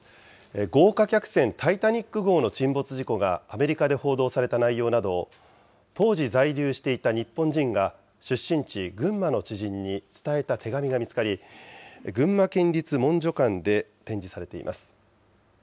豪華客船、タイタニック号の沈没事故がアメリカで報道された内容などを、当時在留していた日本人が出身地、群馬の知人に伝えた手紙が見つかり、群馬県立文書館で展示されています。